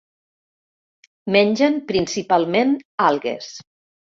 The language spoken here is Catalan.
Mengen principalment algues.